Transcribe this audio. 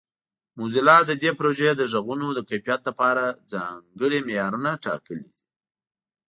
موزیلا د دې پروژې د غږونو د کیفیت لپاره ځانګړي معیارونه ټاکلي دي.